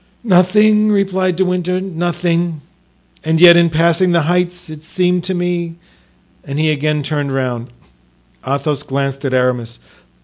"Nothing," replied De Winter; "nothing; and yet in passing the heights it seemed to me——" and he again turned round. Athos glanced at Aramis.